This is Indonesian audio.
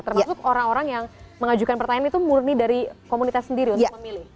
termasuk orang orang yang mengajukan pertanyaan itu murni dari komunitas sendiri untuk memilih